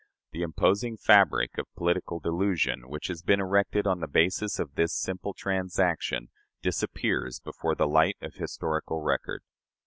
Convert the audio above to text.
The imposing fabric of political delusion, which has been erected on the basis of this simple transaction, disappears before the light of historical record.